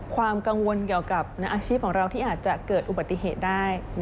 ความกังวลเกี่ยวกับอาชีพของเราที่อาจจะเกิดอุบัติเหตุได้